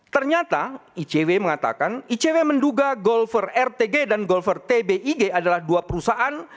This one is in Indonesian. ternyata icw mengatakan icw menduga golfer rtg dan golfer tbig adalah dua perusahaan